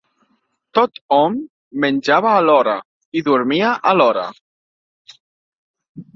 Tot-hom menjava a l'hora, i dormia a l'hora